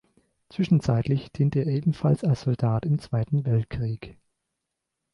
Zwischenzeitlich diente er ebenfalls als Soldat im Zweiten Weltkrieg.